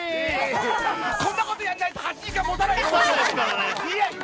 こんなことやらないと８時間もたない！